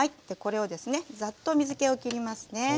これをですねざっと水けをきりますね。